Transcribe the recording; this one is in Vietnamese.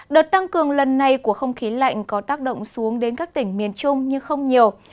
đợt tăng cường lần này của không khí lạnh có tác động xuống đến các tỉnh miền trung nhưng không nhiều